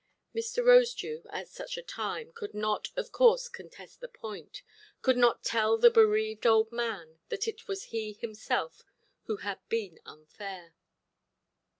Mr. Rosedew, at such a time, could not of course contest the point, could not tell the bereaved old man that it was he himself who had been unfair.